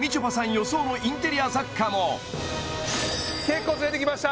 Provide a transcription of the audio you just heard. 予想のインテリア雑貨も結構ズレてきました